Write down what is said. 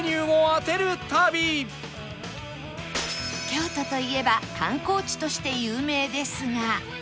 京都といえば観光地として有名ですが